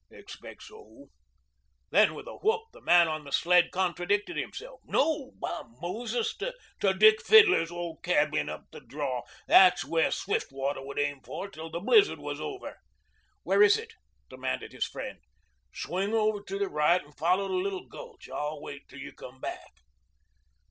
"Expect so." Then, with a whoop, the man on the sled contradicted himself. "No, by Moses, to Dick Fiddler's old cabin up the draw. That's where Swiftwater would aim for till the blizzard was over." "Where is it?" demanded his friend. "Swing over to the right and follow the little gulch. I'll wait till you come back."